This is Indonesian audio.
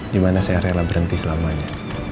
di mana saya rela berhenti selamanya